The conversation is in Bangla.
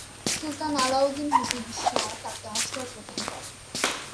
সুলতান আলাউদ্দিন হোসেন শাহ তাকে আশ্রয় প্রদান করেন।